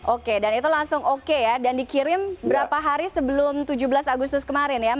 oke dan itu langsung oke ya dan dikirim berapa hari sebelum tujuh belas agustus kemarin ya